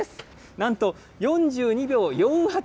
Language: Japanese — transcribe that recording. なんと４２秒４８。